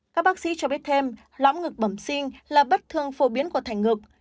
các bác sĩ cho biết thêm lõng ngực bầm sinh là bất thường phổ biến của thanh ngực